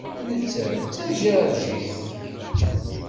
Nettat d Tajiṛjit.